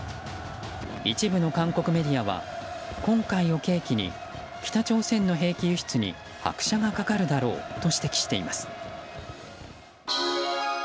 一部の韓国メディアは今回を契機に北朝鮮の兵器輸出に拍車がかかるだろうと指摘しています。